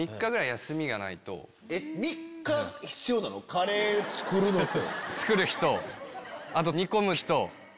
カレー作るのに。